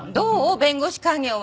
弁護士稼業は？